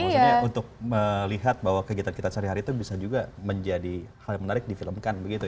maksudnya untuk melihat bahwa kegiatan kita sehari hari itu bisa juga menjadi hal yang menarik difilmkan begitu ya